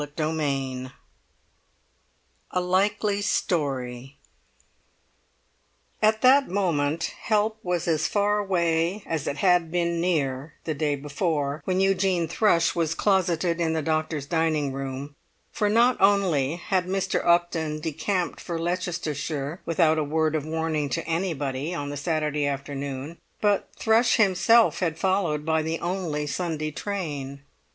CHAPTER XV. A LIKELY STORY At that moment help was as far away as it had been near the day before, when Eugene Thrush was closeted in the doctor's dining room; for not only had Mr. Upton decamped for Leicestershire, without a word of warning to anybody, on the Saturday afternoon, but Thrush himself had followed by the only Sunday train.